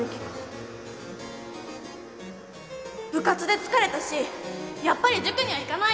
部活で疲れたしやっぱり塾には行かない。